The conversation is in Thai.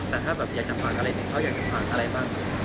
แต่ถ้าอยากจะฟังอะไรเขาอยากจะฟังอะไรบ้าง